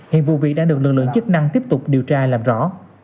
hiện vụ việc đã được lực lượng chức năng tiếp tục điều tra làm rõ